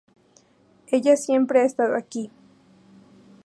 Ella siempre ha estado aquí.